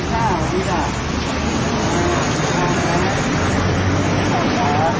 ขอบคุณครับขอบคุณครับ